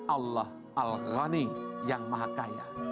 allah al ghani yang maha kaya